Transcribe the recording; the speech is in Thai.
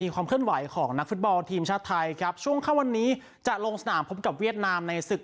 ความเคลื่อนไหวของนักฟุตบอลทีมชาติไทยครับช่วงเข้าวันนี้จะลงสนามพบกับเวียดนามในศึก